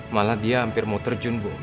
malah dia hampir mau terjun bu